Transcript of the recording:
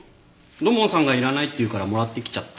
土門さんがいらないって言うからもらってきちゃった。